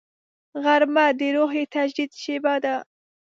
غرمه د روحي تجدید شیبه ده